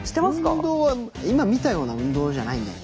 運動は今見たような運動じゃないんだよ。